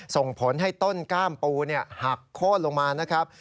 ส่งผลให้ต้นกล้ามปูหักโค้นลงมานะครับ